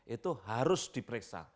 itu harus diperiksa